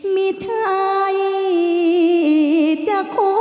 มีใครจะคุ้ย